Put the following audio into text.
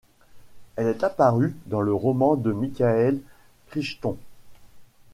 Elle est apparue dans le roman ' de Michael Crichton.